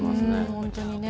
本当にね。